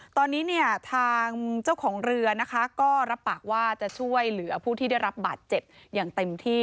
ตอนนี้เนี่ยทางเจ้าของเรือนะคะก็รับปากว่าจะช่วยเหลือผู้ที่ได้รับบาดเจ็บอย่างเต็มที่